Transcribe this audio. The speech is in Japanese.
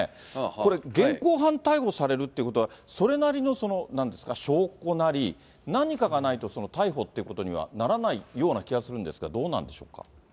これ、現行犯逮捕されるっていうことは、それなりのなんですか、証拠なり、何かがないと逮捕っていうことにはならないような気がするんですが、どうなんでしょうか。